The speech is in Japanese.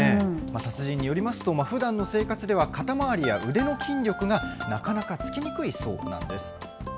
達人によりますと、ふだんの生活では肩回りや腕の筋力がなかなかつきにくいそうなんです。